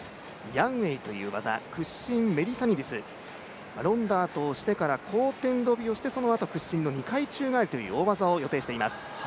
ヤンウェイという技、ロンダートをしてから後転とびをして、そのあと屈伸の２回宙返りという技を予定しています。